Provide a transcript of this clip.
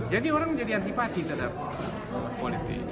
jadi orang menjadi antipati tetap